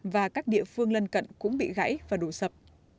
và các địa phương lân cận cũng bị gãy và đổ sập